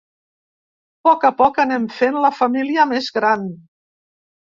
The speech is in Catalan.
Poc a poc anem fent la família més gran.